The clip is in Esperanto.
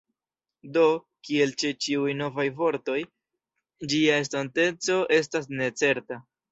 Do, kiel ĉe ĉiuj novaj vortoj, ĝia estonteco estas necerta.